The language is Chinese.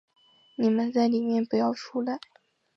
你们在里面不要出来